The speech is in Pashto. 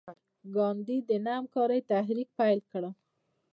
ګاندي د نه همکارۍ تحریک پیل کړ.